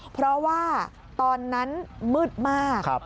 เพราะว่าตอนนั้นมืดมาก